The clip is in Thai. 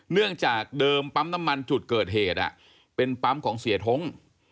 เนื่องจากเดิมปั๊มน้ำมันจุดเกิดเหตุเป็นปั๊มของเสียท้ง